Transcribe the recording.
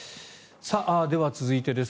では、続いてです。